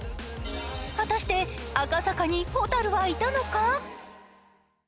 果たして赤坂にホタルはいたのか？